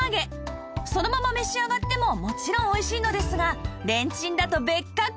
そのまま召し上がってももちろんおいしいのですがレンチンだと別格！